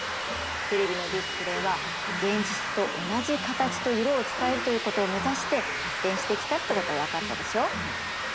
テレビのディスプレイは現実と同じ形と色を伝えるということを目指して発展してきたってことが分かったでしょう。